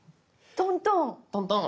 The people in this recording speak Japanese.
トントン。